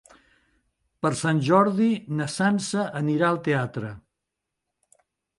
Per Sant Jordi na Sança anirà al teatre.